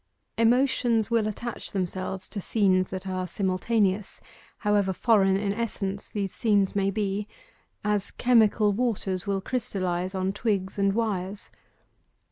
Emotions will attach themselves to scenes that are simultaneous however foreign in essence these scenes may be as chemical waters will crystallize on twigs and wires.